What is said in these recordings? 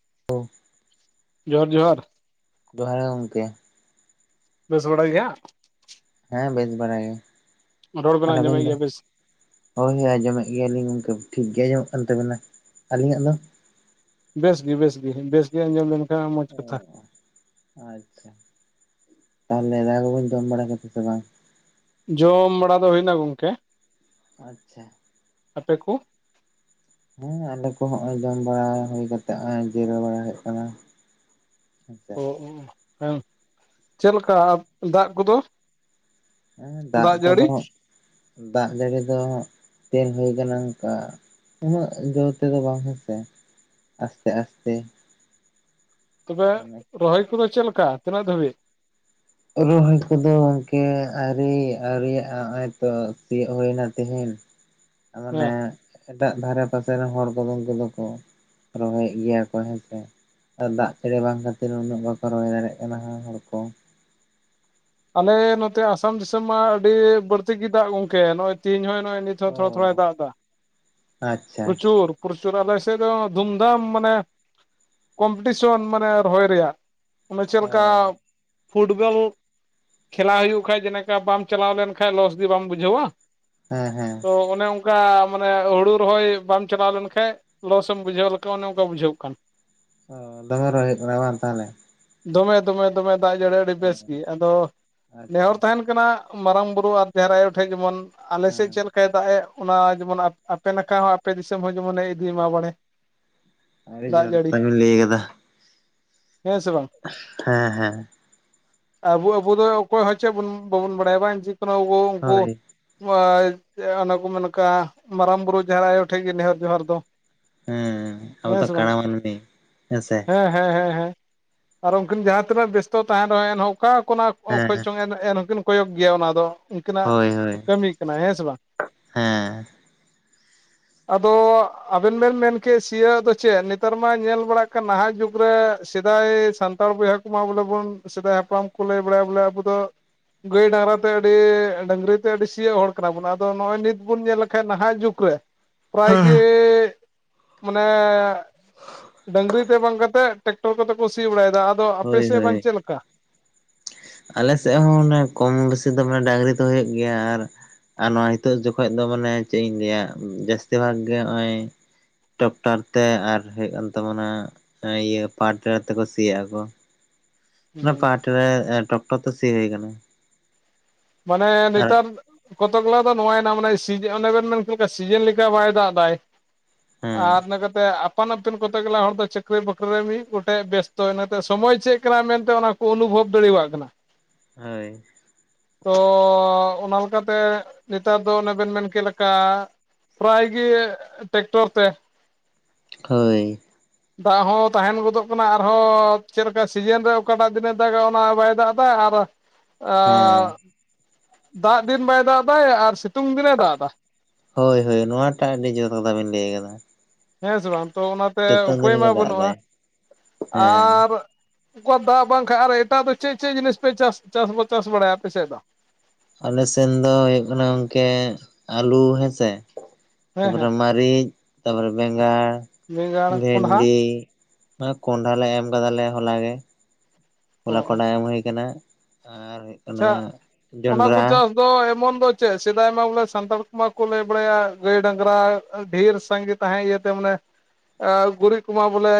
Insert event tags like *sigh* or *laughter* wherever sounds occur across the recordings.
*unintelligible* ᱡᱚᱦᱟᱨ ᱡᱚᱦᱟᱨ᱾ ᱡᱚᱦᱟᱨ ᱜᱮ ᱜᱚᱝᱠᱮ᱾ ᱵᱮᱥ ᱜᱲᱟ ᱜᱮᱭᱟ? ᱦᱮᱸ ᱵᱮᱥ ᱵᱟᱲᱟ ᱜᱮ, ᱨᱚᱲ ᱵᱮᱱ ᱟᱨ ᱟᱵᱤᱱ ᱟᱸᱡᱚᱢᱮᱫ ᱫᱚ? ᱜᱮᱭᱟ ᱵᱮᱥ ᱦᱳᱭ ᱦᱳᱭ ᱟᱸᱡᱚᱢᱮᱜ ᱜᱮᱭᱟᱞᱤᱧ ᱜᱚᱝᱠᱮ ᱴᱷᱤᱠ ᱜᱮ ᱟᱸᱡᱚᱢᱚᱜ ᱠᱟᱱ ᱛᱟᱵᱤᱱᱟ᱾ ᱟᱹᱞᱤᱧᱟᱜ ᱫᱚ? ᱵᱮᱥ ᱜᱮ, ᱵᱮᱥ ᱜᱮ, ᱵᱮᱥ ᱜᱮ ᱟᱸᱡᱚᱢ ᱞᱮᱱᱠᱷᱟᱱ ᱢᱚᱸᱡᱽ ᱚ ᱠᱟᱛᱷᱟ᱾ ᱟᱪᱪᱷᱟ, ᱛᱟᱦᱞᱮ ᱫᱟᱠᱟ ᱠᱚᱵᱮ ᱡᱚᱢ ᱵᱟᱲᱟ ᱠᱮᱫᱟ ᱥᱮ ᱵᱟᱝ? ᱡᱚᱢ ᱵᱟᱲᱟ ᱫᱚ ᱦᱩᱭᱱᱟ ᱜᱚᱝᱠᱮ᱾ ᱟᱪᱪᱷᱟ᱾ ᱟᱯᱮ ᱠᱚ? ᱦᱮᱸ ᱟᱞᱮ ᱠᱚ ᱦᱚᱸᱜ-ᱚᱭ ᱡᱚᱢ ᱵᱟᱲᱟ ᱦᱩᱭ ᱠᱟᱛᱮᱜ ᱦᱚᱸᱜ-ᱚᱭ ᱡᱤᱨᱟᱹᱣ ᱵᱟᱲᱟ ᱦᱩᱭᱩᱜ ᱠᱟᱱᱟ᱾ ᱦᱮᱸᱥᱮ ᱚ, ᱚ, ᱚ, ᱦᱮᱸ ᱪᱮᱫ ᱞᱮᱠᱟ ᱟᱨ ᱫᱟᱜ ᱠᱚᱫᱚ? ᱦᱮᱸ ᱫᱟᱜ ᱠᱚᱫᱚ ᱫᱟᱜ ᱡᱟᱹᱲᱤ ᱫᱚ ᱛᱮᱞ ᱦᱩᱭ ᱠᱟᱱᱟ ᱚᱱᱠᱟ ᱩᱱᱟᱹᱜ ᱡᱳᱨ ᱛᱮᱫᱚ ᱵᱟᱝ ᱦᱮᱸᱥᱮ ᱟᱥᱛᱮ ᱟᱥᱛᱮ᱾ ᱛᱚᱵᱮ ᱢᱟᱱᱮ ᱨᱚᱦᱚᱭ ᱠᱚᱫᱚ ᱪᱮᱫ ᱞᱮᱠᱟ ᱛᱤᱱᱟᱹᱜ ᱫᱷᱟᱹᱵᱤᱡ? ᱨᱚᱦᱚᱭ ᱠᱚᱫᱚ ᱜᱚᱝᱠᱮ ᱟᱣᱨᱤ ᱟᱣᱨᱤᱭᱟᱜ-ᱟ ᱦᱚᱸᱜ-ᱚᱭ ᱛᱚ ᱥᱤᱭᱳᱜ ᱦᱩᱭᱱᱟ ᱛᱤᱦᱤᱧ᱾ ᱢᱟᱱᱮ ᱦᱮᱸ ᱮᱴᱟᱜ ᱫᱷᱟᱨᱮ ᱯᱟᱥᱮ ᱨᱮᱱ ᱦᱚᱲ ᱠᱚᱫᱚ ᱩᱝᱠᱩ ᱫᱚᱠᱚ ᱨᱚᱦᱚᱭᱮᱜ ᱜᱮᱭᱟ ᱠᱚ ᱦᱮᱸᱥᱮ᱾ ᱟᱨ ᱫᱟᱜ *unintelligible* ᱵᱟᱝ ᱠᱷᱟᱹᱛᱤᱨ ᱩᱱᱟᱹᱜ ᱵᱟᱠᱚ ᱨᱚᱦᱭ ᱫᱟᱲᱮᱭᱟᱜ ᱠᱟᱱᱟ *unintelligible* ᱦᱚᱲ ᱠᱚ᱾ ᱟᱞᱮ ᱱᱚᱛᱮ ᱟᱥᱟᱢ ᱫᱤᱥᱚᱢ ᱢᱟ ᱟᱹᱰᱤ ᱵᱟᱹᱲᱛᱤ ᱜᱮ ᱫᱟᱜ ᱜᱚᱝᱠᱮ ᱱᱚᱜ-ᱚᱭ ᱛᱮᱦᱤᱧ ᱦᱚᱸ ᱱᱚᱜ-ᱚᱭ ᱱᱤᱛ ᱚ ᱛᱷᱚᱲᱟ ᱛᱷᱚᱲᱟᱭ ᱫᱟᱜ ᱫᱟ᱾ ᱟᱪᱪᱷᱟ ᱯᱨᱚᱪᱩᱨ᱾ ᱯᱨᱚᱪᱩᱨ ᱟᱞᱮᱥᱮᱫ ᱫᱚ ᱫᱷᱩᱢᱫᱷᱟᱢ ᱢᱟᱱᱮ ᱠᱚᱢᱯᱤᱴᱤᱥᱚᱱ ᱢᱟᱱᱮ ᱨᱚᱦᱚᱭ ᱨᱮᱭᱟᱜ ᱚᱱᱮ ᱪᱮᱫ ᱚ ᱞᱮᱠᱟ ᱯᱷᱩᱴᱵᱚᱞ ᱠᱷᱮᱞᱟ ᱦᱩᱭᱩᱜ ᱠᱷᱟᱡ ᱡᱮᱱᱠᱟ ᱵᱟᱢ ᱪᱟᱞᱟᱣ ᱞᱮᱱᱠᱟᱱᱡ ᱞᱚᱥ ᱜᱮ ᱵᱟᱢ ᱵᱩᱡᱷᱟᱹᱣᱟ? ᱦᱮᱸ ᱦᱮᱸ᱾ ᱦᱚᱸ ᱚᱱᱮ ᱚᱝᱠᱟ ᱢᱟᱱᱮ ᱦᱩᱲᱩ ᱨᱚᱦᱚᱭ ᱵᱟᱢ ᱪᱟᱞᱟᱣ ᱞᱮᱱᱠᱷᱟᱡ ᱞᱚᱥ ᱮᱢ ᱵᱩᱡᱷᱟᱹᱣ ᱞᱮᱠᱷᱟᱡ ᱚᱱᱮ ᱚᱝᱠᱟ ᱵᱩᱡᱷᱟᱹᱜ ᱠᱟᱱ ᱫᱚᱢᱮ ᱨᱚᱦᱚᱭ ᱦᱩᱭᱩᱜ ᱠᱟᱱᱟ ᱵᱟᱝ ᱛᱟᱦᱟᱞᱮ? ᱫᱚᱢᱮ ᱫᱚᱢᱮ ᱫᱚᱢᱮ ᱫᱟᱜ ᱡᱟᱹᱲᱤ ᱟᱹᱰᱤ ᱵᱮᱥ ᱜᱮ ᱟᱫᱚ ᱟᱪᱪᱷᱟ ᱱᱮᱦᱚᱨ ᱛᱟᱦᱮᱸᱱᱼᱼ ᱦᱩᱭᱩᱜ ᱠᱟᱱᱟ ᱢᱟᱨᱟᱝ ᱵᱩᱨᱩ ᱟᱨ ᱡᱟᱦᱮᱨ ᱟᱭᱳ ᱴᱷᱮᱡ ᱡᱮᱢᱚᱱ ᱟᱞᱮ ᱥᱮᱫ ᱦᱮᱸ ᱪᱮᱫ ᱞᱮᱠᱟᱭ ᱫᱟᱜ ᱮᱫ ᱚᱱᱟ ᱜᱮᱵᱚᱱ *unintelligible* ᱟᱯᱮ ᱱᱟᱠᱷᱟ ᱦᱚᱸ ᱟᱯᱮ ᱫᱤᱥᱚᱢ ᱦᱚᱸ ᱡᱮᱢᱚᱱᱮ ᱤᱫᱤᱭ ᱢᱟ ᱵᱟᱲᱮ ᱾ ᱟᱨᱮ ᱡᱚᱨ ᱠᱚᱛᱷᱟ ᱵᱤᱱ ᱞᱟᱹᱭ ᱟᱠᱟᱫᱟ ᱾ ᱦᱮᱸ ᱥᱮ ᱵᱟᱝ ᱾ ᱦᱮᱸ ᱦᱮᱸ ᱾ ᱟᱵᱩ ᱟᱵᱩ ᱫᱚ ᱚᱠᱚᱭ ᱦᱚᱸ ᱪᱮᱫ ᱵᱚᱱ ᱵᱟᱵᱚᱱ ᱵᱟᱲᱟᱭᱟ ᱵᱟᱝ ᱡᱮ ᱠᱟᱱᱟ ᱟᱵᱩ ᱩᱱᱠᱚ ᱦᱳᱭ ᱚᱱᱟ ᱠᱚ ᱢᱮᱱ ᱠᱟᱜ ᱢᱟᱨᱟᱝ ᱵᱩᱨᱩ ᱡᱟᱦᱮᱨ ᱟᱭᱳ ᱴᱷᱮᱡ ᱜᱮ ᱱᱮᱦᱚᱨ ᱡᱚᱦᱟᱨ ᱫᱚ ᱾ ᱦᱮᱸ ᱟᱵᱚ ᱫᱚ ᱠᱟᱹᱬᱟ ᱢᱟᱹᱱᱢᱤ ᱦᱮᱸᱥᱮ ᱾ ᱦᱮᱸ ᱦᱮᱸ ᱦᱮᱸ ᱟᱨ ᱩᱱᱠᱤᱱ ᱡᱟᱦᱟᱸ ᱛᱤᱱᱟᱹᱜ ᱵᱮᱥᱛᱚ ᱛᱟᱦᱮᱸᱱ ᱨᱮᱦᱚᱸ ᱮᱱᱦᱚᱸ ᱚᱠᱟ ᱠᱚᱱᱟᱜᱼᱼ ᱚᱸ ᱦᱮᱸ ᱠᱷᱚᱸᱧ ᱪᱚᱝ ᱮᱱ ᱦᱚᱸᱠᱤᱱ ᱠᱚᱭᱚᱜ ᱜᱮᱭᱟ ᱚᱱᱟ ᱫᱚ ᱩᱱᱠᱤᱱᱟᱜ ᱦᱳᱭ ᱦᱳᱭ ᱠᱟᱹᱢᱤ ᱠᱟᱱᱟ ᱦᱮᱸ ᱥᱮ ᱵᱟᱝ ᱾ ᱦᱮᱸ ᱟᱫᱚ ᱟᱵᱮᱱ ᱵᱮᱱ ᱢᱮᱱ ᱠᱮᱜ ᱥᱤᱭᱳᱜ ᱫᱚ ᱪᱮᱫ ᱱᱮᱛᱟᱨ ᱢᱟ ᱧᱮᱞ ᱵᱟᱲᱟᱜ ᱠᱟᱱ ᱱᱟᱦᱟᱜ ᱡᱩᱜᱽ ᱾ ᱯᱩᱨᱟᱹᱥᱮᱫᱟᱭ ᱥᱟᱱᱛᱟᱲ ᱵᱚᱭᱦᱟ ᱠᱚᱢᱟ ᱵᱚᱞᱮ ᱵᱚᱱ ᱥᱮᱫᱟᱭ ᱦᱟᱯᱲᱟᱢ ᱠᱚ ᱞᱟᱹᱭ ᱵᱟᱲᱟᱭᱟ ᱵᱚᱞᱮ ᱟᱵᱚ ᱫᱚ ᱾ ᱜᱟᱹᱭ ᱰᱟᱝᱨᱟ ᱛᱮ ᱟᱹᱰᱤ ᱰᱟᱝᱨᱤ ᱛᱮ ᱟᱹᱰᱤ ᱥᱤᱭᱚᱜ ᱦᱚᱲ ᱠᱟᱱᱟ ᱵᱚᱱ ᱟᱫᱚ ᱱᱚᱜᱼᱚᱭ ᱱᱤᱛ ᱵᱚᱱ ᱧᱮᱞ ᱞᱮᱠᱷᱟᱱ ᱱᱟ.... ᱱᱟᱦᱟᱜ ᱡᱩᱜᱽ ᱨᱮ ᱯᱨᱟᱭ ᱜᱮ ᱢᱟᱱᱮ ᱰᱟᱝᱨᱤ ᱛᱮ ᱵᱟᱝ ᱠᱟᱛᱮᱫ ᱴᱮᱠᱴᱚᱨ ᱠᱚᱛᱮ ᱠᱚ ᱥᱤ ᱵᱟᱲᱟᱭ ᱮᱫᱟ ᱾ ᱟᱫᱚ ᱟᱯᱮ ᱦᱳᱭ ᱥᱮᱫ ᱦᱳᱭ ᱵᱟᱝ ᱪᱮᱫ ᱞᱮᱠᱟ ᱾ ᱟᱞᱮ ᱥᱮᱫ ᱦᱚᱸ ᱚᱱᱮ ᱠᱚᱢ ᱵᱮᱥᱤ ᱫᱚ ᱢᱟᱱᱮ ᱰᱟᱝᱨᱤ ᱛᱮ ᱦᱩᱭᱩᱜ ᱜᱮᱭᱟ ᱾ ᱟᱨᱼᱼ ᱟᱨ ᱱᱚᱣᱟ ᱤᱛᱷᱟ. ᱜ ᱡᱚᱠᱷᱚᱡ ᱫᱚ ᱢᱟᱱᱮ ᱪᱮᱫ ᱤᱧ ᱞᱟᱹᱭᱟ ᱡᱟᱹᱥᱛᱤ ᱵᱷᱟᱜ ᱜᱮ ᱱᱚᱜᱼᱚᱭ ᱾ ᱴᱚᱠᱴᱟᱨ ᱛᱮ ᱟᱨ ᱦᱩᱭᱩᱜ ᱠᱟᱱ ᱛᱟᱵᱚᱱᱟ ᱤᱭᱟᱹ ᱯᱟᱴᱮᱞᱟᱹᱨ ᱛᱮᱠᱚ ᱥᱤᱮᱫ-ᱟ ᱠᱚ ᱾ ᱚᱱᱟ ᱦᱩᱸ ᱠᱟᱹᱴ ᱨᱮ ᱴᱚᱠᱴᱚᱨ ᱛᱮ ᱥᱤ ᱦᱩᱭ ᱠᱟᱱᱟ ᱢᱟᱱᱮ ᱱᱮᱛᱟᱨ ᱠᱚᱛᱚᱜᱞᱟ ᱫᱚ ᱱᱚᱶᱟ ᱮᱱᱟ ᱢᱟᱱᱮ ᱥᱤᱡ.. ᱚᱱᱮ ᱵᱮᱱ ᱢᱮᱱ ᱠᱮᱫ ᱞᱮᱠᱟ ᱥᱤᱡᱮᱱ ᱞᱮᱠᱟ ᱵᱟᱭ ᱫᱟᱜ ᱮᱫᱟᱭ ᱾ ᱦᱮᱸ ᱟᱨ ᱱᱮᱠᱟ ᱛᱮ ᱟᱯ ᱯᱷᱚᱱ ᱟᱯᱫᱩᱱ ᱠᱚᱛᱮ ᱜᱮᱞᱟ ᱦᱚᱲ ᱫᱚ ᱪᱟᱹᱠᱨᱤ ᱵᱟᱹᱠᱨᱤ ᱨᱮ ᱢᱤᱫ ᱜᱚᱴᱮᱡ ᱵᱮᱥᱛᱚ ᱤᱱᱟᱹᱛᱮ ᱥᱚᱢᱚᱭ ᱪᱮᱫ ᱠᱟᱱᱟ ᱢᱮᱱᱛᱮ ᱚᱱᱟ *unintelligible* ᱚᱱᱩᱵᱷᱚᱵᱽ ᱫᱟᱲᱮᱭᱟᱜ ᱠᱟᱱᱟ ᱾ ᱦᱚᱭ ᱾ ᱛᱚ ᱚᱱᱟ ᱚᱝᱠᱟ ᱛᱮ ᱱᱮᱛᱟᱨ ᱫᱚ ᱚᱱᱮ ᱵᱤᱱ ᱢᱮᱱ ᱠᱮᱫ ᱞᱮᱠᱟ ᱾ ᱯᱨᱟᱭ ᱜᱮ ᱴᱮᱠᱴᱚᱨ ᱛᱮ ᱾ ᱦᱚᱭ ᱫᱟᱜ ᱦᱚᱸ ᱛᱟᱦᱮᱸᱱ ᱜᱚᱫᱚᱜ ᱠᱟᱱᱟ ᱟᱨᱦᱚᱸ ᱪᱮᱫ ᱞᱮᱠᱟ ᱥᱤᱡᱤᱱ ᱨᱮ ᱚᱠᱟᱴᱟᱜ ᱫᱤᱱ ᱮ ᱫᱟᱜᱟ ᱚᱱᱟ ᱵᱟᱭ ᱫᱟᱜ ᱮᱫᱟ ᱟᱨ ᱾ ᱟᱹ ᱦᱮᱸ ᱫᱟᱜ ᱫᱤᱱ ᱵᱟᱭ ᱫᱟᱜ ᱮᱫᱟᱭ ᱟᱨ ᱥᱤᱛᱩᱝ ᱫᱤᱱ ᱮ ᱫᱟᱜ ᱮᱫᱟ ᱾ ᱦᱚᱭ ᱦᱚᱭ ᱱᱚᱣᱟᱴᱟᱜ ᱟᱹᱰᱤ ᱡᱚᱨ ᱠᱟᱛᱷᱟ ᱵᱤᱱ ᱞᱟᱹᱭ ᱟᱠᱟᱫᱟ ᱾ ᱦᱮᱸ ᱥᱮ ᱵᱟᱝ ᱛᱚ ᱚᱱᱟᱛᱮ ᱩᱯᱟᱹᱭ ᱢᱟ ᱜᱮ ᱫᱟᱜ ᱵᱟᱹᱱᱩᱜᱼᱟ ᱮᱫᱟᱭ ᱦᱮᱸ ᱟᱨᱼᱼ ᱩᱱᱠᱩᱣᱟᱜ ᱫᱟᱜ ᱵᱟᱝᱠᱷᱟᱱ ᱟᱨ ᱮᱴᱟᱜ ᱫᱚ ᱪᱮᱫ ᱪᱮᱫ ᱡᱤᱱᱤᱥ ᱯᱮ ᱪᱟᱥ ᱪᱟᱥ ᱪᱟᱥ ᱵᱟᱲᱟᱭᱟ ᱯᱮᱥᱮᱫ ᱫᱚ? ᱟᱞᱮ ᱥᱮᱱ ᱫᱚ ᱦᱩᱭᱩᱜ ᱠᱟᱱᱟ ᱜᱚᱝᱠᱮ ᱟᱹᱞᱩ ᱦᱮᱸᱥᱮ ᱾ ᱦᱮᱸ ᱛᱟᱨᱯᱚᱨᱮ ᱦᱮᱸ ᱢᱟᱹᱨᱤᱪ ᱛᱟᱨᱯᱚᱨᱮ ᱵᱮᱸᱜᱟᱲ ᱵᱮᱸᱜᱟᱲ ᱠᱚᱸᱰᱷᱟ ᱵᱷᱮᱱᱰᱤ ᱾ ᱠᱚᱸᱰᱷᱟ ᱞᱮ ᱮᱢ ᱟᱠᱟᱫᱟᱞᱮ ᱦᱚᱞᱟ ᱜᱮ ᱾ ᱚ ᱦᱚᱞᱟ ᱠᱚᱰᱟ ᱮᱢ ᱦᱩᱭ ᱟᱠᱟᱱᱟ ᱟᱨ ᱾ ᱟᱪᱷᱟ ᱚᱱᱟ ᱠᱚ ᱪᱟᱥ ᱾ ᱟᱫᱚ ᱮᱢᱚᱱ ᱫᱚ ᱪᱮᱫ ᱥᱮᱫᱟᱭ ᱢᱟ ᱵᱚᱞᱮ ᱥᱟᱱᱛᱟᱲ ᱠᱚᱢᱟ ᱠᱚ ᱞᱟᱹᱭ ᱵᱟᱲᱟᱭᱟ ᱜᱟᱹᱭ ᱰᱟᱝᱨᱟ ᱰᱷᱮᱨ ᱥᱟᱸᱜᱮ ᱼᱼ ᱛᱟᱦᱮᱸ ᱤᱭᱟᱹ ᱛᱮ ᱢᱟᱱᱮ ᱾ ᱜᱩᱨᱤᱡ ᱠᱚᱢᱟ ᱵᱚᱞᱮ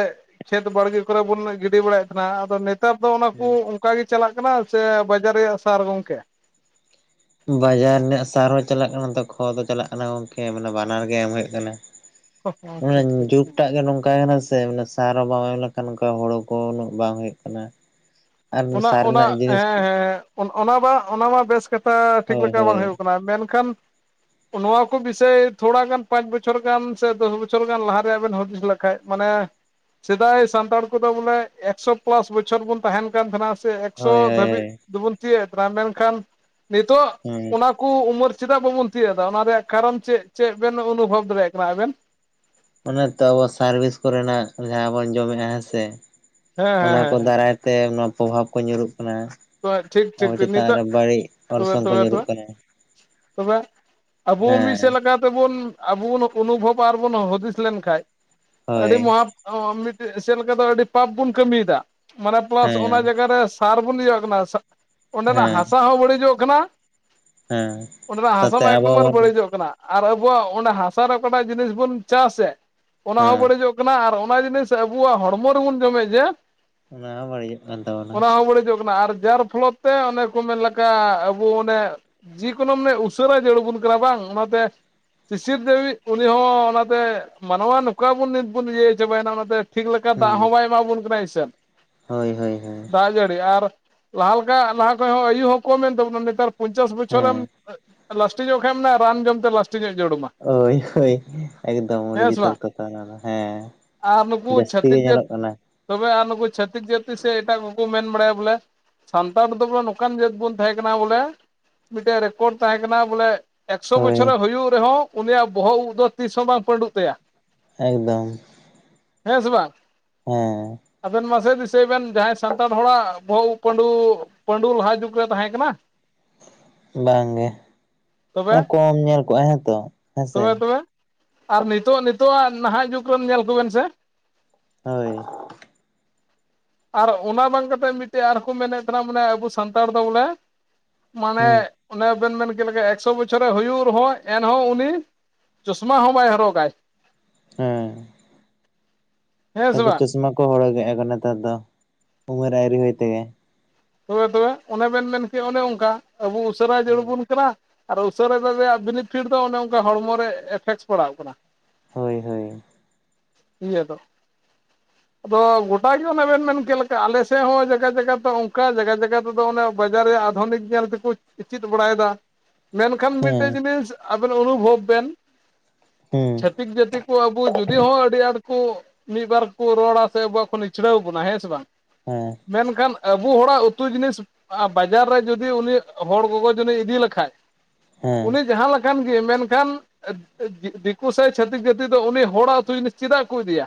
ᱠᱷᱮᱛ ᱵᱟᱲᱜᱮ ᱠᱚᱨᱮ ᱵᱚᱱ ᱜᱤᱰᱤ ᱵᱟᱲᱟᱭᱮᱫ ᱛᱟᱦᱮᱱᱟ ᱾ ᱟᱫᱚᱼᱼ ᱱᱮᱛᱟᱨ ᱫᱚ ᱚᱱᱟ ᱠᱚ ᱦᱩᱸ ᱚᱱᱠᱟ ᱜᱮ ᱪᱟᱞᱟᱜ ᱠᱟᱱᱟ ᱥᱮ ᱵᱟᱡᱽᱟᱨ ᱨᱮᱭᱟᱜ ᱥᱟᱨ ᱜᱚᱝᱠᱮ? ᱵᱟᱡᱟᱨ ᱤᱱᱟᱹᱜ ᱥᱟᱨ ᱦᱚᱸ ᱪᱟᱞᱟᱜ ᱠᱟᱱᱟ ᱱᱽᱛᱚ ᱠᱷᱚᱛ ᱦᱚᱸ ᱪᱟᱞᱟᱜ ᱠᱟᱱᱟ ᱜᱚᱝᱠᱮ ᱢᱟᱱᱮ ᱵᱟᱱᱟᱨ ᱜᱮ ᱮᱢ ᱦᱩᱭᱩᱜ ᱠᱟᱱᱟ ᱾ ᱴᱷᱤᱠ ᱦᱮᱸ ᱴᱷᱤᱠ ᱴᱷᱤᱠ ᱡᱩᱜᱽᱴᱟᱜ ᱜᱮ ᱱᱚᱝᱠᱟᱭ ᱮᱱᱟ ᱥᱮ ᱾ ᱥᱟᱨ ᱦᱚᱸ ᱵᱟᱢ ᱮᱢ ᱞᱮᱠᱷᱟᱱ ᱦᱩᱲᱩ ᱠᱚ ᱩᱱᱟᱹᱜ ᱵᱟᱝ ᱦᱩᱭᱩᱜ ᱠᱟᱱᱟ ᱾ ᱚᱱᱟ ᱚᱱᱟ, ᱦᱮᱸ ᱦᱮᱸ᱾ ᱚᱱ ᱚᱱᱟ ᱢᱟ ᱚᱱᱟ ᱢᱟ ᱵᱮᱥ ᱠᱟᱛᱷᱟ ᱴᱷᱤᱠ ᱦᱳᱭ ᱞᱮᱠᱟ ᱵᱟᱝ ᱦᱳᱭ ᱦᱩᱭᱩᱜ ᱠᱟᱱᱟ, ᱢᱮᱱᱠᱷᱟᱱ ᱱᱚᱣᱟ ᱠᱚ ᱵᱤᱥᱚᱭ ᱛᱷᱚᱲᱟ ᱜᱟᱱ ᱯᱟᱸᱪ ᱵᱚᱪᱷᱚᱨ ᱜᱟᱱ ᱥᱮ ᱫᱚᱥ ᱵᱚᱪᱷᱚᱨ ᱜᱟᱱ ᱞᱟᱦᱟ ᱨᱮᱭᱟᱜ ᱵᱮᱱ ᱦᱩᱫᱤᱥ ᱞᱮᱠᱷᱟᱡ ᱢᱟᱱᱮ ᱥᱮᱫᱟᱭ ᱥᱟᱱᱛᱟᱲ ᱠᱚᱫᱚ ᱵᱚᱞᱮ ᱮᱠᱥᱚ ᱯᱞᱟᱥ ᱵᱚᱪᱷᱚᱨ ᱵᱚᱱ ᱛᱟᱦᱮᱱ ᱠᱟᱱ ᱛᱟᱦᱮᱱᱟ ᱥᱮ ᱮᱠᱥᱚ ᱦᱳᱭ ᱦᱳᱭ ᱫᱷᱟᱹᱵᱤᱡ ᱫᱚᱵᱚᱱ ᱛᱤᱭᱟᱹᱜ ᱮᱫ ᱛᱟᱦᱮᱱᱟ ᱢᱮᱱᱠᱷᱟᱱ ᱱᱤᱛᱳᱜ ᱦᱮᱸ ᱚᱱᱟ ᱠᱩ ᱩᱢᱟᱹᱨ ᱪᱮᱫᱟᱜ ᱵᱟᱵᱚᱱ ᱛᱤᱭᱟᱹᱜ ᱮᱫᱟ ᱚᱱᱟ ᱨᱮᱭᱟᱜ ᱠᱟᱨᱚᱱ ᱪᱮᱫ ᱪᱮᱫ ᱵᱮᱱ ᱚᱱᱩᱵᱷᱚᱵ ᱫᱟᱲᱮᱭᱟᱜ ᱠᱟᱱᱟ ᱟᱵᱮᱱ? ᱚᱱᱫ ᱛᱚ ᱟᱵᱚ ᱥᱟᱨ ᱵᱤᱥ ᱠᱚᱨᱮᱱᱟᱜ ᱡᱟᱦᱟᱸ ᱵᱚᱱ ᱡᱚᱢᱮᱜ-ᱟ ᱦᱮᱸ ᱥᱮ ᱦᱮᱸ ᱦᱮᱸ ᱚᱱᱟ ᱦᱮᱸ ᱠᱚ ᱦᱮᱸ ᱫᱟᱨᱟᱭ ᱛᱮ ᱱᱚᱣᱟ ᱯᱨᱚᱵᱷᱟᱵᱽ ᱠᱚ ᱧᱩᱨᱩᱜ ᱠᱟᱱᱟ᱾ *unintelligible* ᱴᱷᱤᱠ ᱟᱵᱚ ᱴᱷᱤᱠ ᱴᱷᱤᱠ ᱪᱮᱛᱟᱱ ᱱᱤᱛᱚᱜ ᱨᱮ ᱵᱟᱹᱲᱤᱡ ᱛᱚᱵᱮ ᱚᱨᱥᱚᱝ ᱠᱚ ᱛᱚᱵᱮ ᱧᱩᱨᱩᱜ ᱛᱚᱵᱮ ᱠᱟᱱᱟ ᱛᱚᱵᱮ ᱟᱵᱚ ᱢᱤᱫ ᱥᱮᱫ ᱦᱮᱸ ᱞᱮᱠᱟ᱾ ᱛᱮᱵᱚᱱ ᱟᱵᱚᱱ ᱚᱱᱩᱵᱷᱚᱵ ᱟᱨᱵᱚᱱ ᱦᱩᱫᱤᱥ ᱞᱮᱱᱠᱷᱟᱡ ᱟᱹᱰᱤ ᱦᱳᱭ ᱢᱚᱦᱟ ᱟᱺ... ᱢᱤᱫᱴᱮᱡ ᱥᱮ ᱞᱮᱠᱟ ᱫᱚ ᱟᱹᱰᱤ ᱯᱟᱯ ᱵᱚᱱ ᱠᱟᱹᱢᱤ ᱮᱫᱟ ᱢᱟᱱᱮ ᱯᱟ. ᱞᱟᱥ ᱚᱱᱟ ᱦᱮᱸ ᱡᱟᱜᱟ ᱨᱮ ᱥᱟᱨ ᱵᱚᱱ ᱤᱭᱟᱹᱜ ᱠᱟᱱᱟ ᱥᱟᱜ... ᱚᱸᱰᱮᱱᱟᱜ ᱦᱮᱸ ᱦᱟᱥᱟ ᱦᱚᱸ ᱵᱟᱹᱲᱤᱡᱚᱜ ᱠᱟᱱᱟ᱾ ᱦᱮᱸ ᱚᱸᱰᱮᱱᱟᱜ ᱦᱟᱥᱟ ᱥᱟᱛᱮ ᱢᱟ ᱟᱵᱚ ᱮᱠᱫᱚᱢ ᱟᱨ ᱵᱚᱱ ᱵᱟᱹᱲᱤᱡᱚᱜ ᱠᱟᱱᱟ᱾ ᱟᱨ ᱟᱵᱚᱣᱟᱜ ᱚᱸᱰᱮ ᱦᱟᱥᱟ ᱨᱮ ᱚᱠᱟᱴᱟᱜ ᱡᱤᱱᱤᱥ ᱵᱚᱱ ᱪᱟᱥ ᱮᱫ ᱚᱱᱟ ᱦᱚᱸ ᱦᱮᱸ ᱵᱟᱹᱲᱤᱡᱚᱜ ᱠᱟᱱᱟ, ᱠᱟᱱᱟ ᱟᱨ ᱚᱱᱟ ᱡᱤᱱᱤᱥ ᱟᱵᱩᱣᱟᱜ ᱦᱚᱲᱢᱚ ᱨᱮᱵᱚᱱ ᱡᱚᱢᱮᱫ ᱡᱮ, ᱚᱱᱟ ᱦᱚᱸ ᱵᱟᱹᱲᱤᱡᱚᱜ ᱠᱟᱱ ᱛᱟᱵᱚᱱᱟ᱾ ᱵᱟ. ᱲᱤᱡᱚᱜ ᱠᱟᱱᱟ ᱟᱨ ᱡᱟᱦᱟᱸ ᱨᱮ ᱯᱷᱚᱞᱳᱯ ᱛᱮ ᱚᱱᱮ ᱠᱚ ᱢᱮᱱ ᱞᱮᱠᱟ ᱟᱵᱚ ᱚᱱᱮ ᱡᱤ ᱠᱚᱞᱳᱢ ᱢᱟᱱᱮ ᱩᱥᱟᱹᱨᱟᱭ ᱡᱟᱹᱨᱩᱲ ᱟᱵᱚᱱ ᱠᱟᱱᱟ ᱵᱟᱝ ᱚᱱᱟᱛᱮ ᱥᱤᱥᱤᱨ ᱠᱟ. ᱣᱤᱡ ᱩᱱᱤ ᱦᱚᱸ ᱚᱱᱟᱛᱮ ᱢᱟᱱᱣᱟ ᱱᱚᱝᱠᱟ ᱵᱚᱱ ᱱᱤᱛ ᱵᱚᱱ ᱤᱭᱟᱹ ᱪᱟᱵᱟᱭᱮᱱᱟ ᱚᱱᱟᱛᱮ ᱴᱷᱤᱠ ᱞᱮᱠᱟ ᱫᱟᱜ ᱦᱚᱸ ᱵᱟᱭ ᱮᱢᱟ ᱟᱵᱚᱱ ᱠᱟᱱᱟ ᱟ. ᱭᱥᱟ. ᱱ᱾ ᱦᱚᱭ ᱦᱚᱭ ᱦᱚᱭ ᱫᱟᱜ ᱡᱟᱹᱲᱤ ᱟᱨ ᱞᱟᱦᱟ ᱞᱮᱠᱟ ᱞᱟᱦᱟ ᱠᱷᱚᱧᱡ ᱦᱚᱸ ᱟᱹᱭᱩ ᱦᱚᱸ ᱠᱚᱢ ᱮᱱ ᱛᱟᱵᱚᱱᱟ ᱱᱮᱛᱟᱨ ᱯᱚᱧᱪᱟᱥ ᱵᱚᱪᱷᱚᱨ ᱮᱢ ᱦᱮᱸ ᱞᱟᱥᱴᱤᱝ ᱚᱜ ᱠᱷᱟᱡ ᱮᱢ ᱢᱮᱱᱟ ᱨᱟᱱ ᱡᱚᱢᱛᱮ ᱞᱟᱥᱴᱤᱸᱜᱚᱜ ᱡᱟᱹᱨᱩᱲ ᱟᱢᱟ᱾ ᱚᱭ ᱦᱚᱭ ᱮᱠᱫᱚᱢ ᱟ. ᱰᱤ ᱥᱮ ᱡᱚᱛᱷᱟᱛ ᱵᱟᱝ ᱠᱟᱛᱷᱟ ᱱᱚᱶᱟ ᱫᱚ ᱦᱮᱸ ᱟᱨ ᱱᱩᱠᱩ ᱡᱟᱹᱥᱛᱤ ᱜᱮ ᱪᱷᱟᱹᱛᱤᱠ ᱡᱟᱹᱛ ᱧᱮᱞᱚᱜ ᱠᱟᱱᱟ᱾ ᱛᱚᱵᱮ ᱟᱨ ᱱᱩᱠᱩ ᱪᱷᱟᱹᱛᱤᱠ ᱡᱟᱹᱛᱤ ᱥᱮ ᱮᱴᱟᱜ ᱠᱚᱠᱚ ᱢᱮᱱ ᱵᱟᱲᱟᱭᱟ ᱵᱚᱞᱮ᱾ ᱥᱟᱱᱛᱟᱲ ᱫᱚ ᱵᱚᱞᱮ ᱱᱚᱝᱠᱟᱱ ᱡᱟᱹᱛ ᱵᱚᱱ ᱛᱟᱦᱮᱸ ᱠᱟᱱᱟ ᱵᱚᱞᱮ ᱢᱤᱫᱴᱮᱡ ᱨᱮᱠᱚᱨᱰ ᱛᱟᱦᱮᱸ ᱠᱟᱱᱟ ᱵᱚᱞᱮ ᱮᱠ ᱥᱚ ᱦᱳᱭ ᱵᱚᱪᱷᱚᱨ ᱮ ᱦᱩᱭᱩᱜ ᱨᱮᱦᱚᱸ ᱩᱱᱤᱭᱟᱜ ᱵᱚᱦᱚᱜ ᱩᱵ ᱫᱚ ᱛᱤᱥ ᱦᱚᱸ ᱵᱟᱝ ᱯᱟᱺᱰᱩᱜ ᱛᱟᱭᱟ᱾ ᱮᱠᱫᱚᱢ, ᱦᱮᱸ ᱥᱮ ᱵᱟᱝ ᱦᱮᱸ, ᱟᱵᱮᱱ ᱢᱟ ᱥᱮ ᱫᱤᱥᱟᱹᱭ ᱵᱮᱱ ᱡᱟᱦᱟᱸᱭ ᱥᱟᱱᱛᱟᱲ ᱦᱚᱲ ᱟᱜ ᱵᱚᱦᱚᱜ ᱩᱵ ᱯᱟᱺᱰᱩ, ᱯᱟᱺᱰᱩ ᱞᱟᱦᱟ ᱡᱩᱜᱽ ᱨᱮ ᱛᱟᱦᱮᱸ ᱠᱟᱱᱟ᱾ ᱵᱟᱝᱜᱮ, ᱛᱚᱵᱮ ᱠᱚᱢ ᱧᱮᱞ ᱠᱚᱜ-ᱟ ᱦᱮᱸᱛᱚ ᱦᱮᱸᱥᱮ ᱛᱚᱵᱮ ᱛᱚᱵᱮ ᱟᱨ ᱱᱤᱛᱚᱜ ᱱᱤᱛᱚᱜ ᱟᱜ ᱱᱟᱦᱟᱜ ᱡᱩᱜᱽ ᱨᱮᱱ ᱧᱮᱞ ᱠᱚᱵᱮᱱ ᱥᱮ, ᱦᱚᱭ ᱟᱨ ᱚᱱᱟ ᱵᱟᱝ ᱠᱟᱛᱮᱫ ᱢᱤᱫᱴᱮᱡ ᱟᱨ ᱦᱚᱸ ᱠᱚ ᱢᱮᱱ ᱮᱫ ᱛᱟᱦᱮᱱᱟ ᱢᱟᱱᱮ ᱟᱵᱚ ᱥᱟᱱᱛᱟᱲ ᱫᱚ ᱵᱚᱞᱮ ᱢᱟᱱᱮ ᱦᱩᱸ ᱚᱱᱮ ᱵᱮᱱ ᱢᱮᱱ ᱠᱮᱫ ᱞᱮᱠᱟ ᱮᱠ ᱥᱚ ᱵᱚᱪᱷᱚᱨ ᱮ ᱦᱩᱭᱩᱜ ᱨᱮᱦᱚᱸ ᱮᱱᱦᱚᱸ ᱩᱱᱤ ᱪᱚᱥᱢᱟ ᱦᱚᱸ ᱵᱟᱭ ᱦᱚᱨᱚᱜᱟᱭ᱾ ᱦᱮᱸ, ᱦᱮᱸ ᱟ. ᱥᱮ ᱵᱷᱤ ᱵᱟᱝ ᱪᱚᱥᱢᱟ ᱠᱚ ᱦᱚᱨᱚᱜ ᱮ-ᱟ ᱠᱚ ᱱᱮᱛᱟᱨ ᱫᱚ ᱩᱢᱮᱨ ᱟ. ᱣᱨᱤ ᱦᱩᱭ ᱛᱮᱜᱮ, ᱛᱚᱵᱮ ᱛᱚᱵᱮ ᱚᱱᱮ ᱵᱮᱱ ᱢᱮᱱ ᱠᱮᱜ ᱚᱱᱮ ᱚᱱᱠᱟ ᱟᱵᱚ ᱩᱥᱟᱹᱨᱟ ᱡᱟᱹᱨᱩᱲ ᱟᱵᱚᱱ ᱠᱟᱱᱟ, ᱟᱨ ᱩᱥᱟᱹᱨᱟᱭ ᱨᱮᱭᱟᱜ ᱵᱮᱤᱱᱤᱯᱷᱤᱴ ᱫᱚ ᱚᱱᱮ ᱚᱱᱠᱟ ᱦᱚᱲᱢᱚ ᱨᱮ ᱤᱯᱷᱮᱠᱴᱥ ᱯᱟᱲᱟᱣᱜ ᱠᱟᱱᱟ᱾ ᱦᱚᱭ ᱦᱚᱭ, ᱤᱭᱟᱹ ᱫᱚ, ᱟᱫᱚ ᱜᱚᱴᱟ ᱜᱮ ᱚᱱᱮ ᱵᱮᱱ ᱢᱮᱱᱠᱮᱫ ᱞᱮᱠᱟ ᱟᱞᱮ ᱥᱮᱫ ᱦᱚᱸ ᱡᱟᱭᱜᱟ ᱡᱟᱭᱜᱟ ᱫᱚ ᱚᱱ....... ᱠᱟ ᱡᱟᱭᱜᱟ ᱡᱟᱭᱜᱟ ᱛᱮᱫᱚ ᱚᱱᱮ ᱵᱟᱡᱟᱨ ᱨᱮᱭᱟᱜ ᱟᱫᱷᱚᱱᱤᱠ ᱧᱮᱞ ᱛᱮᱠᱚ ᱪᱤᱫ ᱵᱟᱲᱟᱭ ᱮᱫᱟ᱾ ᱢᱮᱱᱠᱷᱟᱱ ᱦᱮᱸ ᱢᱤᱫᱴᱮᱡ ᱡᱤᱱᱤᱥ ᱟᱵᱮᱱ ᱚᱱᱩᱵᱷᱚᱵᱽ ᱵᱮᱱ ᱦᱮᱸ ᱛᱤᱠ ᱡᱟᱹᱛᱤ ᱠᱚ ᱟᱵᱚ ᱡᱩᱫᱤ ᱦᱚᱸ ᱟᱹᱰᱤ ᱟᱸᱴ ᱠᱚ ᱢᱤᱫ ᱵᱟᱨ ᱠᱚ ᱨᱚᱲᱟ ᱥᱮ ᱵᱟᱝ ᱠᱳ ᱱᱤᱪᱷᱲᱟᱹᱣ ᱵᱚᱱᱟ᱾ ᱦᱮᱸ ᱥᱮ ᱵᱟᱝ? ᱦᱮᱸ᱾ ᱢᱮᱱᱠᱷᱟᱱ ᱟᱹᱵ ᱵᱚ ᱦᱚᱲ ᱟᱜ ᱩᱛᱩ ᱡᱤᱱᱤᱥ ᱟᱸ ᱵᱟᱡᱟᱨ ᱨᱮ ᱡᱩᱫᱤ ᱩᱱᱤ ᱦᱚᱲ ᱜᱚᱜᱚ ᱡᱩᱱᱤᱡ ᱤᱫᱤ ᱞᱮᱠᱷᱟᱡ ᱦᱮᱸ ᱩᱱᱤ ᱡᱟᱦᱟᱸ ᱞᱮᱠ ᱠᱟᱱ ᱜᱮ ᱢᱮᱱᱠᱷᱟᱱ ᱫᱤᱠᱩ ᱥᱮ ᱪᱷᱟᱹᱛᱤᱠ ᱡᱟᱹᱛᱤ ᱫᱚ ᱩᱱᱤ ᱦᱚᱲ ᱟᱜ ᱩᱛᱩ ᱡᱤᱱᱤᱥ ᱪᱮᱫᱟᱜ ᱠᱚ ᱤᱫᱤᱭᱟ᱾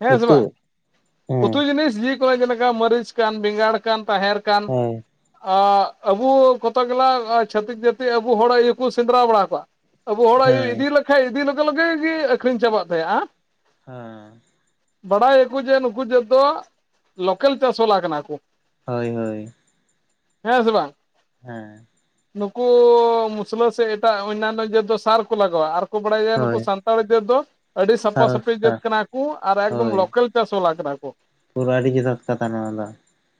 ᱦᱮᱸ ᱥᱮ ᱩᱛᱩ ᱵᱟᱝ? ᱩᱛᱩ ᱦᱮᱸ ᱡᱤᱱᱤᱥ ᱡᱤ ᱠᱚᱭ ᱡᱮᱞᱮᱠᱟ ᱢᱟᱹᱨᱤᱪ ᱠᱟᱱ, ᱵᱮᱸᱜᱟᱲ ᱠᱟᱱ ᱛᱟᱦᱮᱸᱨ ᱠᱟᱱ ᱦᱳᱭ ᱟᱜ ᱟᱵᱚ ᱠᱚᱛᱚᱜ ᱜᱮᱞᱟ ᱪᱷᱟᱹᱛᱤᱠ ᱡᱟᱹᱛᱤ ᱟᱵᱩ ᱦᱚᱲ ᱟᱭᱩ ᱠᱚ ᱥᱮᱸᱫᱽᱨᱟ ᱵᱟᱲᱟ ᱠᱚᱣᱟ᱾ ᱟᱵᱚ ᱦᱚᱲ ᱟᱭᱳᱭ ᱤᱫᱤ ᱦᱮᱸ ᱞᱮᱠᱟᱡ, ᱤᱫᱤ ᱞᱮᱜᱟ ᱞᱮᱜᱟ ᱜᱤ ᱟᱹᱠᱷᱨᱤᱧ ᱪᱟᱵᱟᱜ ᱛᱟᱭᱟᱼᱟᱸ᱾ ᱦᱮᱸ᱾ ᱵᱟᱲᱟᱭᱟᱠᱚ ᱡᱮ ᱱᱩᱠᱩ ᱡᱚᱛᱚ ᱞᱳᱠᱮᱞ ᱪᱟᱥ ᱵᱟᱞᱟ ᱠᱟᱱᱟ ᱠᱚ᱾ ᱦᱚᱭ ᱦᱚᱭ᱾ ᱦᱮᱸ ᱥᱮ ᱵᱟᱝ? ᱦᱮᱸ᱾ ᱱᱩᱠᱩ ᱢᱩᱥᱞᱟᱹ ᱥᱮ ᱮᱴᱟᱜ ᱚᱭᱱᱱᱟᱱᱱᱚ ᱡᱟᱹᱛ ᱫᱚ ᱥᱟᱨ ᱠᱚ ᱞᱟᱜᱟᱣᱟ ᱟᱨ ᱠᱚ ᱵᱟᱲᱟᱭᱟ ᱱᱩᱠᱩ ᱦᱳᱭ ᱥᱟᱱ ᱛᱟᱲ ᱡᱟᱹᱛ ᱫᱚ ᱟᱹᱰᱤ ᱥᱟᱯᱷᱟ-ᱥᱟᱹᱯᱷᱤ ᱡᱟᱹᱛ ᱥᱟᱨᱚᱥᱛᱟ ᱠᱟᱱᱟ ᱠᱚ᱾ ᱟᱨ ᱮᱠᱫᱚᱢ ᱦᱳᱭ ᱞᱳᱠᱮᱞ ᱪᱟᱥ ᱵᱟᱞᱟ ᱠᱟᱱᱟ ᱠᱚ᱾ ᱯᱩᱨᱟᱹ ᱟᱹᱰᱤ ᱡᱚᱛᱷᱟᱛ ᱠᱟᱛᱷᱟ ᱱᱚᱣᱟ ᱫᱚ᱾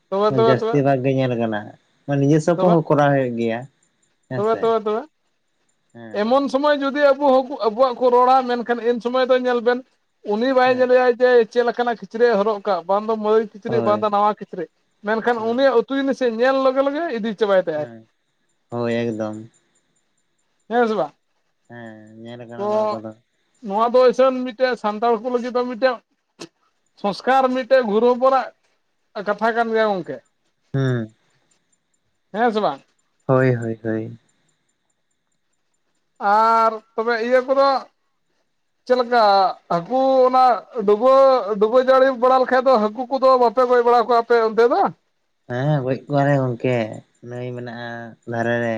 ᱛᱚᱵᱮ ᱛᱚᱵᱮ ᱡᱟᱹᱥᱛᱤ ᱛᱚᱵᱮ ᱵᱷᱟᱜ ᱜᱮ ᱧᱮᱞ ᱟᱠᱟᱱᱟ᱾ ᱱᱤᱡᱮ ᱥᱚᱯ ᱠᱚ ᱛᱚᱵᱮ ᱦᱚᱸ ᱠᱚᱨᱟᱣᱟ ᱦᱩᱭᱩᱜ ᱜᱮᱭᱟ᱾ ᱦᱮᱸ ᱛᱚᱵᱮ ᱥᱮ ᱛᱚᱵᱮ ᱛᱚᱵᱮ᱾ ᱦᱮᱸ᱾ ᱮᱢᱚᱱ ᱥᱚᱢᱚᱭ ᱡᱩᱫᱤ ᱟᱵᱚ ᱦᱚᱠ ᱟᱵᱚᱣᱟᱜ ᱠᱚ ᱨᱚᱲᱟ ᱢᱮᱱᱠᱷᱟᱱ ᱤᱱ ᱥᱚᱢᱚᱭ ᱫᱚ ᱧᱮᱞ ᱵᱮᱱ ᱩᱱᱤ ᱵᱟᱭ ᱦᱮᱸ ᱧᱮᱞᱮᱭᱟᱭ ᱡᱮ ᱪᱮᱫ ᱞᱮᱠᱟᱱᱟᱜ ᱠᱤᱪᱨᱤᱡ ᱮ ᱦᱚᱨᱚᱜ ᱟᱠᱟᱜᱼᱟ᱾ ᱵᱟᱝ ᱫᱚ ᱢᱟᱹᱭ ᱠᱤᱪᱨᱤᱡ ᱦᱳᱭ ᱵᱟᱝ ᱫᱚ ᱱᱟᱣᱟ ᱠᱤᱪᱨᱤᱡ, ᱢᱮᱱᱠᱷᱟᱱ ᱦᱮᱸ ᱩᱱᱤᱭᱟᱜ ᱩᱛᱩ ᱡᱤᱱᱤᱥ ᱪᱮᱫ ᱧᱮᱞ ᱞᱚᱜᱟ ᱞᱮᱜᱮ ᱤᱫᱤ ᱪᱟᱵᱟᱭ ᱛᱟᱭᱟᱭ ᱦᱮᱸ, ᱦᱚᱭ ᱮᱠᱫᱚᱢ᱾ ᱦᱮᱸ ᱥᱮ ᱵᱟᱝ? ᱦᱮᱸ, ᱧᱮᱞ ᱟᱠᱟᱱᱟ ᱛᱚ ᱱᱚᱣᱟ ᱠᱚᱫᱚ᱾ ᱱᱚᱣᱟ ᱫᱚ ᱤᱥᱟᱹᱱ ᱢᱤᱫᱴᱮᱡ ᱥᱟᱱᱛᱟᱲ ᱠᱚ ᱞᱟᱹᱜᱤᱫ ᱫᱚ ᱢᱤᱫᱴᱮᱱ ᱥᱚᱝᱥᱠᱟᱨ ᱢᱤᱫᱴᱮᱡ ᱜᱩᱨᱩ ᱦᱚᱯᱚᱱᱟᱜ ᱠᱟᱛᱷᱟ ᱠᱟᱱ ᱜᱮᱭᱟ ᱜᱚᱝᱠᱮ᱾ ᱦᱮᱸ᱾ ᱦᱮᱸ ᱥᱮ ᱵᱟᱝ? ᱦᱚᱭ ᱦᱚᱭ ᱦᱚᱭ᱾ ᱟᱨ ᱛᱚᱵᱮ ᱤᱭᱟᱹ ᱠᱚᱫᱚ *inaudible* ᱪᱮᱫ ᱞᱮᱠᱟ, ᱦᱟᱹᱠᱩ ᱚᱱᱟ ᱰᱩᱵᱟᱹ - ᱰᱩᱵᱟᱹ ᱡᱟᱹᱲᱤ ᱵᱟᱲᱟ ᱞᱮᱠᱷᱟᱡ ᱫᱚ ᱦᱟᱹᱠᱩ ᱠᱚᱫᱚ ᱵᱟᱯᱮ ᱜᱚᱡ ᱵᱟᱲᱟ ᱠᱚᱣᱟ? ᱯᱮ ᱚᱱᱛᱮ‌ ᱫᱟ ᱦᱮᱸ ᱜᱚᱡ ᱠᱚᱣᱟ ᱞᱮ ᱜᱚᱝᱠᱮ, ᱱᱟᱹᱭ ᱢᱮᱱᱟᱜᱼᱟ ᱫᱷᱟᱨᱮ ᱨᱮ᱾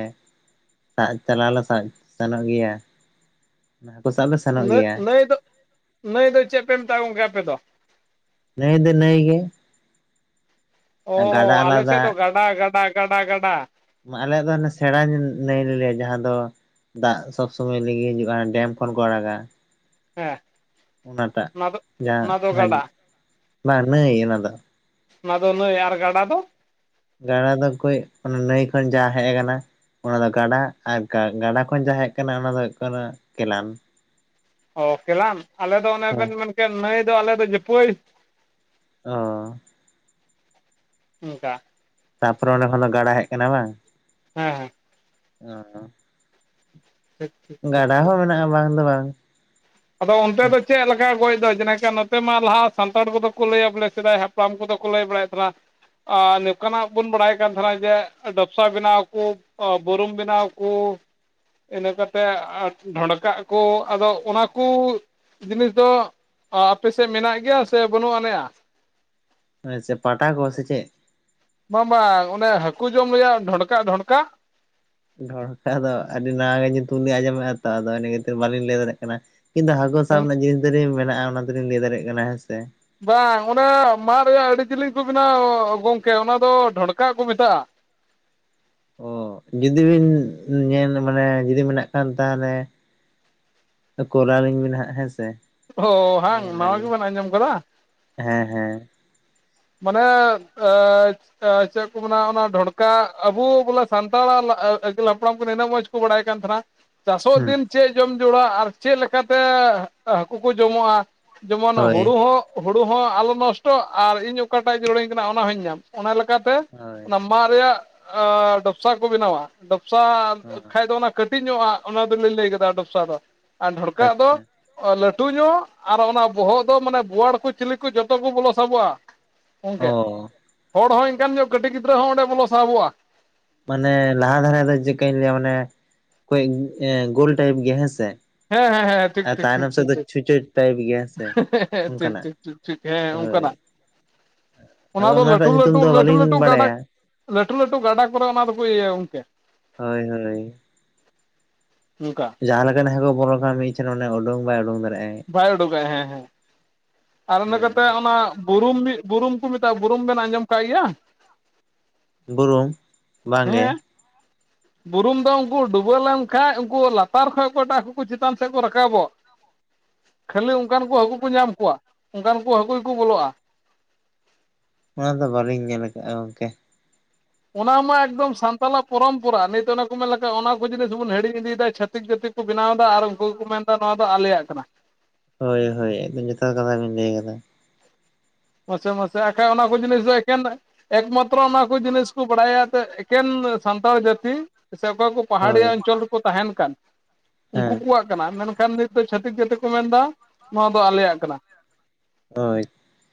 ᱥᱟᱵ ᱪᱟᱞᱟᱣ ᱞᱮ ᱥᱟᱵ-ᱥᱮᱱᱚᱜ ᱜᱮᱭᱟ ᱾ ᱦᱟᱹᱠᱳ ᱥᱟᱵ ᱞᱮ ᱥᱮᱱᱚᱜ ᱱᱟᱹ ᱜᱮᱭᱟ᱾ ᱱᱟᱹᱭ ᱫᱚ ᱱᱟᱹᱭ ᱫᱚ ᱪᱮᱫ ᱯᱮ ᱢᱮᱛᱟᱜ-ᱟ ᱜᱚᱝᱠᱮ ᱟᱯᱮ ᱫᱚ? ᱱᱟᱹᱭ ᱫᱚ ᱱᱟᱹᱭ ᱜᱮ᱾ ᱚᱻ ᱜᱟᱰᱟ ᱟᱞᱮ ᱥᱮᱫ ᱫᱚ ᱟᱞᱟᱫᱟ ᱜᱟᱰᱟ, ᱜᱟᱰᱟ, ᱜᱟᱰᱟ, ᱜᱟᱰᱟ᱾ ᱟᱞᱮᱭᱟᱜ ᱫᱚ ᱦᱟᱱᱮ ᱥᱮᱬᱟ ᱱᱟᱭ ᱞᱮᱭᱟ ᱡᱟᱦᱟᱸ ᱫᱚ ᱫᱟᱜ ᱥᱚᱵᱽ ᱥᱚᱢᱚᱭ ᱞᱤᱧᱜᱤ ᱦᱤᱡᱩᱜ-ᱟ ᱾ ᱰᱮᱢ ᱠᱷᱚᱱ ᱠᱚ ᱟᱲᱟᱜᱟ᱾ ᱦᱮᱸ ᱚᱱᱟᱴᱟᱜ ᱚᱱᱟ ᱫᱚ ᱚᱱᱟ ᱫᱚ ᱡᱟᱦᱟᱸ ᱜᱟᱰᱟ ᱟᱹᱡ ᱵᱟᱝ ᱱᱟᱹᱭ ᱚᱱᱟ ᱫᱚ᱾ ᱚᱱᱟ ᱫᱚ ᱱᱟᱹᱭ᱾ ᱟᱨ ᱜᱰᱟ ᱫᱚ? ᱜᱟᱰᱟ ᱫᱚ ᱠᱚᱡ ᱚᱱᱮ ᱱᱟᱹᱭ ᱠᱷᱚᱡ ᱡᱟ ᱦᱮᱡ ᱟᱠᱟᱱᱟ᱾ ᱚᱱᱟ ᱫᱚ ᱜᱟᱰᱟ ᱟᱨ ᱜᱟᱰᱟ ᱠᱷᱚᱱ ᱡᱟᱦᱟᱸ ᱦᱮᱡ ᱠᱟᱱᱟ ᱚᱱᱟ ᱫᱚ ᱦᱩᱭᱩᱜ ᱠᱟᱱᱟ ᱠᱮᱞᱟᱱ᱾ ᱚ ᱠᱮᱞᱟᱱ, ᱟᱞᱮ ᱫᱚ ᱚᱱᱮ ᱦᱮᱸ ᱵᱮᱱ ᱢᱮᱱ ᱠᱮᱫ ᱱᱟᱹᱭ ᱫᱚ ᱟᱞᱮ ᱫᱚ ᱡᱟᱹᱯᱟᱹᱭ ᱚᱻ ᱩᱱᱠᱟ ᱾ ᱛᱟᱨᱯᱚᱨᱮ ᱚᱸᱰᱮ ᱠᱷᱚᱱ ᱫᱚ ᱜᱟᱰᱟ ᱦᱮᱡ ᱠᱟᱱᱟ ᱵᱟᱝ? ᱦᱮᱸ᱾ ᱚ ᱦᱚ ᱾ *unintelligible* ᱜᱟᱰᱟ ᱦᱚᱸ ᱢᱮᱱᱟᱜᱼᱟ ᱵᱟᱝ ᱫᱚ ᱵᱟᱝ ᱾ ᱟᱫᱚ ᱚᱱᱛᱮ ᱫᱚ ᱪᱮᱜ ᱞᱮ ᱜᱚᱡ ᱫᱚ ᱡᱮᱠᱟ ᱱᱚᱛᱮ ᱢᱟ ᱞᱟᱦᱟ ᱥᱟᱱᱛᱟᱲ ᱠᱚᱫᱚ ᱠᱚ ᱞᱟᱹᱭᱟ ᱵᱚᱞᱮ ᱥᱮᱫᱟᱭ ᱦᱟᱯᱲᱟᱢ ᱠᱚᱫᱚ ᱠᱚ ᱞᱟᱹᱭ ᱵᱟᱲᱟᱭᱮᱫ ᱛᱟᱦᱮᱱᱟ ᱱᱚᱝᱠᱟᱱᱟᱜ ᱵᱚᱱ ᱵᱟᱲᱟᱭ ᱠᱟᱱ ᱛᱟᱦᱮᱱᱟ ᱡᱮ ᱰᱟᱯᱥᱟ ᱵᱮᱱᱟᱣ ᱠᱚ ᱚ ᱵᱩᱨᱩᱢ ᱵᱮᱱᱟᱣ ᱠᱩ ᱾ ᱤᱱᱟᱹ ᱠᱟᱛᱮᱜ ᱟᱨ ᱰᱷᱚᱸᱰᱠᱟᱜ ᱟᱠᱚ ᱟᱫᱚ ᱚᱱᱟ ᱠᱩ ᱡᱤᱱᱤᱥ ᱫᱚ ᱟᱯᱮᱥᱮᱫ ᱢᱮᱱᱟᱜ ᱜᱮᱭᱟ ᱥᱮ ᱵᱟᱹᱱᱩᱜ ᱟᱱᱮᱭᱼᱟ? ᱟᱪᱪᱷᱟ ᱯᱟᱴᱟ ᱠᱚ ᱥᱮ ᱪᱮᱫ? ᱵᱟᱝ ᱵᱟᱝ ᱚᱱᱮ ᱦᱟᱹᱠᱩ ᱡᱚᱢ ᱨᱮᱭᱟᱜ ᱰᱷᱚᱱᱰᱠᱟᱜ ᱰᱷᱚᱱᱰᱠᱟᱜ ᱰᱷᱚᱲᱠᱟᱜ ᱫᱚ ᱟᱹᱰᱤ ᱱᱟᱣᱟ ᱜᱮ ᱧᱩᱛᱩᱢ ᱞᱤᱧ ᱟᱸᱡᱚᱢᱮᱜᱼᱟ ᱛᱚ ᱟᱫᱚ ᱤᱱᱟᱹ ᱠᱷᱟᱹᱛᱤᱨ ᱵᱟᱹᱞᱤᱧ ᱞᱟᱹᱭ ᱫᱟᱲᱮᱭᱟᱜ ᱠᱟᱱᱟ᱾ ᱠᱤᱱᱛᱩ ᱦᱟᱹᱠᱳ ᱥᱟᱵ ᱨᱮᱱᱟᱜ ᱡᱤᱱᱤᱥ ᱫᱚᱞᱤᱧ ᱢᱮᱱᱟᱜᱼᱟ ᱚᱱᱟ ᱫᱚᱞᱤᱧ ᱞᱟᱹᱭ ᱫᱟᱲᱮᱭᱟᱜ ᱠᱟᱱᱟ ᱦᱮᱸ ᱥᱮ ᱵᱟᱝ ᱚᱱᱟ ᱢᱟᱫ ᱨᱮᱭᱟᱜ ᱟᱹᱰᱤ ᱡᱤᱞᱤᱧ ᱠᱚ ᱵᱮᱱᱟᱣᱟ ᱜᱚᱢᱠᱮ ᱚᱱᱟ ᱫᱚ ᱰᱷᱚᱲᱠᱟᱜ ᱠᱚ ᱢᱮᱛᱟᱜᱼᱟ᱾ ᱚ ᱡᱩᱫᱤ ᱵᱤᱱ ᱧᱮᱞ ᱢᱟᱱᱮ ᱡᱩᱫᱤ ᱢᱮᱱᱟᱜ ᱠᱷᱟᱱ ᱛᱟᱦᱞᱮ ᱠᱳᱞᱟᱞᱤᱧ ᱵᱤᱱ ᱦᱟᱸᱜ ᱦᱮᱸ ᱥᱮ ᱚ ᱦᱟᱝ ᱧᱮᱞ ᱱᱟᱣᱟ ᱟᱹᱞᱤᱧ ᱜᱮᱵᱮᱱ ᱟᱸᱡᱚᱢ ᱠᱟᱫᱟ? ᱦᱮᱸ ᱦᱮᱸ ᱢᱟᱱᱮᱜ ᱟᱹᱪ ᱛᱟᱹ ᱪᱮᱫ ᱠᱚ ᱢᱮᱱᱟ ᱚᱱᱟ ᱰᱷᱚᱲᱠᱟᱜ ᱟᱹᱵᱩ ᱵᱚᱞᱮ ᱥᱟᱱᱛᱟᱲᱟᱜ ᱟᱹᱜᱤᱞ ᱦᱟᱯᱲᱟᱢ ᱠᱚ ᱤᱱᱟᱹᱜ ᱢᱚᱸᱡᱽ ᱠᱩ ᱵᱟᱲᱟᱭ ᱠᱟᱱ ᱛᱟᱸᱦᱮᱱᱟ᱾ ᱪᱟᱥᱚᱜ ᱦᱩᱸ ᱫᱤᱱ ᱪᱮᱜ ᱡᱚᱢ ᱡᱳᱲᱟ ᱟᱨ ᱪᱮᱫ ᱞᱮᱠᱟᱛᱮ ᱦᱟᱹᱠᱩ ᱠᱚ ᱡᱚᱢᱚᱜᱼᱟ? ᱡᱮᱢᱚᱱ ᱦᱳᱭ ᱦᱳᱲᱩ ᱦᱚᱸ ᱦᱳᱲᱩ ᱦᱚᱸ ᱟᱞᱚ ᱱᱚᱥᱴᱚᱜ ᱟᱨ ᱤᱧ ᱚᱠᱟᱴᱟᱜ ᱡᱩᱲᱟᱹᱧ ᱠᱟᱱᱟ ᱚᱱᱟ ᱦᱚᱸᱧ ᱧᱟᱢ ᱚᱱᱟ ᱞᱮᱠᱟᱛᱮ ᱦᱳᱭ ᱚᱱᱟ ᱢᱟᱜ ᱨᱮᱭᱟᱜ ᱰᱚᱯᱥᱟ ᱠᱚ ᱵᱮᱱᱟᱣᱟ᱾ ᱰᱚᱯᱥᱟ ᱦᱚᱸ ᱠᱷᱟᱡ ᱫᱚ ᱚᱱᱟ ᱠᱟᱹᱴᱤᱡ ᱧᱚᱜᱼᱟᱜ ᱚᱱᱟ ᱫᱚᱞᱤᱧ ᱞᱟᱹᱭ ᱠᱟᱫᱟ ᱰᱚᱯᱥᱟ ᱫᱚ᱾ ᱟᱨ ᱰᱷᱚᱲᱠᱟᱜ ᱫᱚ ᱟᱪᱪᱷᱟ ᱞᱟᱹᱴᱩ ᱧᱚᱜ ᱟᱨ ᱚᱱᱟ ᱵᱚᱦᱚᱜ ᱫᱚ ᱢᱟᱱᱮ ᱵᱳᱣᱟᱲ ᱠᱚ ᱪᱤᱞᱤ ᱠᱚ ᱡᱚᱛᱚ ᱠᱚ ᱵᱚᱞᱚ ᱥᱟᱵᱚᱜᱼᱟ᱾ ᱜᱚᱝᱠᱮ ᱚ ᱦᱚᱲ ᱦᱚᱸ ᱤᱱᱠᱟᱱ ᱧᱚᱜ ᱠᱟᱹᱴᱤᱡ ᱜᱤᱫᱽᱨᱟᱹ ᱦᱚᱸ ᱚᱸᱰᱮ ᱵᱚᱞᱚ ᱥᱟᱦᱚᱵᱚᱜᱼᱟ᱾ ᱢᱟᱱᱮ ᱞᱟᱦᱟ ᱫᱷᱟᱨᱮ ᱫᱚ ᱪᱤᱜᱠᱟᱧ ᱞᱟᱹᱭᱟ ᱢᱟᱱᱮ ᱠᱟᱹᱡᱽ ᱜᱳᱞ ᱴᱟᱭᱤᱯ ᱜᱮᱭᱟ ᱦᱮᱸᱥᱮ ᱦᱮᱸ ᱦᱮᱸ ᱦᱮᱸ ᱴᱷᱤᱠ ᱟᱨ ᱴᱷᱤᱠ ᱴᱷᱤᱠ ᱛᱟᱭᱱᱚᱢ ᱥᱮᱫ ᱴᱷᱤᱠ ᱫᱚ ᱴᱷᱤᱠ ᱪᱷᱩᱸᱪᱟᱹᱴ ᱴᱟᱭᱤᱯ ᱜᱤᱭᱟ ᱦᱮᱸ ᱥᱮ ᱴᱷᱤᱠ ᱚᱱᱠᱟᱱᱟᱜ ᱴᱷᱤᱠ ᱴᱷᱤᱠ ᱴᱷᱤᱠ ᱦᱮᱸ ᱦᱳᱭ ᱚᱱᱠᱟᱱᱟᱜ ᱟᱫᱚ ᱚᱱᱟ ᱫᱚ ᱚᱱᱟᱴᱟᱜ ᱞᱟᱹᱴᱩ ᱧᱩᱛᱩᱢ ᱞᱟᱹᱴᱩ ᱫᱚ ᱞᱟᱹᱴᱩ ᱵᱟᱹᱞᱤᱧ ᱞᱟᱹᱴᱩ ᱜᱟᱰᱟ ᱵᱟᱲᱟᱭᱟ᱾ ᱞᱟᱹᱴᱩ ᱞᱟᱹᱴᱩ ᱜᱟᱰᱟ ᱠᱚᱨᱮ ᱚᱱᱟ ᱫᱚᱠᱚ ᱤᱭᱟᱹᱭᱟ ᱜᱚᱝᱠᱮ ᱾ ᱦᱳᱭ ᱦᱳᱭ ᱩᱝᱠᱟ᱾ ᱡᱟᱦᱟᱸ ᱞᱮᱠᱟᱱ ᱦᱟᱹᱠᱳ ᱵᱚᱞᱚᱜ ᱠᱷᱟᱱ ᱢᱤᱫᱴᱷᱮᱱ ᱚᱸᱰᱮ ᱳᱸᱰᱳᱝ ᱵᱟᱭ ᱳᱸᱰᱳᱝ ᱫᱟᱲᱮᱜᱼᱟᱭ᱾ ᱵᱟᱭ ᱩᱰᱳᱠᱜᱟᱭ ᱦᱮᱸ ᱦᱮᱸ᱾ ᱟᱨ ᱤᱱᱟᱹ ᱦᱮᱸ ᱠᱟᱛᱮᱜ ᱚᱱᱟ ᱵᱩᱨᱩᱢ ᱵᱩᱨᱩᱢ ᱠᱚ ᱢᱮᱛᱟᱜᱼᱟ᱾ ᱵᱩᱨᱩᱢ ᱵᱮᱱ ᱟᱸᱡᱚᱢ ᱠᱟᱜ ᱜᱮᱭᱟ? ᱵᱩᱨᱩᱢ ᱵᱟᱝᱜᱮ᱾ ᱦᱮᱸ ᱵᱩᱨᱩᱢ ᱫᱚ ᱩᱱᱠᱩ ᱰᱩᱵᱟᱹᱣ ᱞᱮᱱᱠᱷᱟᱡ ᱩᱱᱠᱩ ᱞᱟᱛᱟᱨ ᱠᱷᱚᱡ ᱯᱟᱴᱟ ᱠᱚ ᱪᱤᱛᱟᱱ ᱥᱮᱫ ᱠᱚ ᱨᱟᱠᱟᱵᱚᱜ ᱠᱷᱟᱹᱞᱤ ᱚᱱᱠᱟᱱ ᱠᱚ ᱦᱟᱹᱠᱩ ᱠᱚ ᱧᱟᱢ ᱠᱚᱣᱟ ᱚᱱᱠᱟᱱ ᱠᱚ ᱦᱟᱹᱠᱩ ᱜᱤᱠᱚ ᱵᱚᱞᱚᱜᱼᱟ᱾ ᱚᱱᱟ ᱫᱚ ᱵᱟᱹᱞᱤᱧ ᱧᱮᱞ ᱠᱟᱜᱼᱟ ᱜᱚᱝᱠᱮ᱾ ᱚᱱᱟ ᱢᱟ ᱮᱠᱫᱚᱢ ᱥᱟᱱᱛᱟᱞᱟᱜ ᱯᱚᱨᱚᱢᱯᱚᱨᱟ᱾ ᱱᱤᱛ ᱚᱱᱟ ᱠᱚ ᱢᱮᱱ ᱞᱮᱠᱟ ᱚᱱᱟ ᱠᱚ ᱡᱤᱱᱤᱥ ᱵᱚᱱ ᱦᱤᱲᱤᱧ ᱤᱫᱤᱭᱮᱫᱟ᱾ ᱪᱷᱟᱹᱛᱤᱠ ᱡᱟᱹᱛᱤ ᱠᱚ ᱵᱮᱱᱟᱣ ᱫᱟ ᱟᱨ ᱩᱱᱠᱩ ᱜᱮᱠᱚ ᱢᱮᱱᱫᱟ ᱱᱚᱣᱟ ᱫᱚ ᱟᱞᱮᱭᱟᱜ ᱠᱟᱱᱟ᱾ ᱦᱳᱭ ᱦᱳᱭ ᱟᱵᱤᱱ ᱡᱚᱛᱷᱟᱛ ᱠᱟᱛᱷᱟ ᱵᱤᱱ ᱞᱟᱹᱭ ᱠᱟᱫᱟ᱾ ᱢᱟᱥᱮ ᱢᱟᱥᱮ ᱟᱠᱷᱟᱡ ᱚᱱᱟ ᱠᱚ ᱡᱤᱱᱤᱥ ᱫᱚ ᱮᱠᱮᱱ ᱮᱠᱢᱟᱛᱨᱚ ᱚᱱᱟ ᱠᱚ ᱡᱤᱱᱤᱥ ᱠᱩ ᱵᱟᱲᱟᱭᱟ ᱮᱠᱮᱱ ᱥᱟᱱᱛᱟᱲ ᱡᱟᱹᱛᱤ ᱥᱮ ᱚᱠᱚᱭ ᱠᱚ ᱦᱳᱭ ᱯᱟᱦᱟᱲᱤᱭᱟ. ᱚᱧᱪᱚᱞ ᱨᱮᱠᱚ ᱛᱟᱦᱮᱱ ᱠᱟᱱ ᱦᱮᱸ ᱩᱱᱠᱩ ᱠᱚᱣᱟᱜ ᱠᱟᱱᱟ ᱢᱮᱱᱠᱷᱟᱱ ᱱᱤᱛ ᱫᱚ ᱪᱷᱟᱹᱛᱤᱠ ᱡᱟ. ᱛᱤ ᱠᱚ ᱢᱮᱱᱫᱟ ᱱᱚᱣᱟ ᱫᱚ ᱟᱞᱮᱭᱟᱜ ᱠᱟᱱᱟ᱾ ᱦᱳᱭ